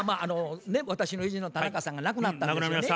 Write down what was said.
私の友人の田中さんが亡くなったんですよね。